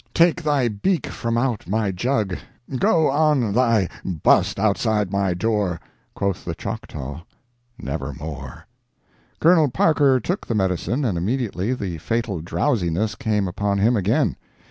Take thy beak from out my jug—go on take thy bust outside my door." Quoth the Choctaw, "Nevermore." Colonel Parker took the medicine, and immediately the fatal drowsiness came upon him again.